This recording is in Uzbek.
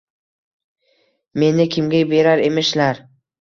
–Meni kimga berar emishlar?